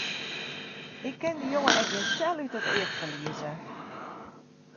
Ik kin dy jonge ek gjin tel út it each ferlieze!